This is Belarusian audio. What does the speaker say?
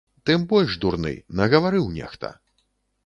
Тым больш дурны, нагаварыў нехта.